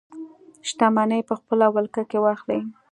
شتمنۍ په خپله ولکه کې واخلي.